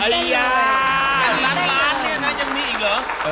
ล้างบ๊าลเนี่ยนะยังมีอีกเหรอ